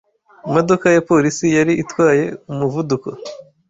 Imodoka ya polisi yari itwaye umuvuduko